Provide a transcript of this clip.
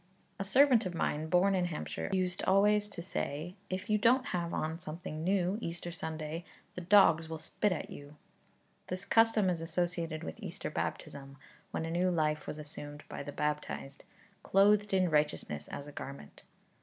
A servant of mine, born in Hampshire, used always to say, 'If you don't have on something new Easter Sunday the dogs will spit at you.' This custom is associated with Easter baptism, when a new life was assumed by the baptized, clothed in righteousness as a garment.